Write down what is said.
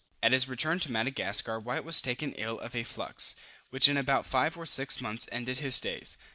At his return to Madagascar, White was taken ill of a flux, which in about five or six months ended his days.